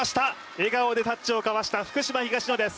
笑顔でタッチを交わした福島・東野です。